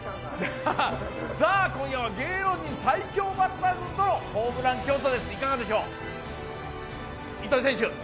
今夜は芸能人最強バッター軍とのホームラン競争です、いかがでしょう？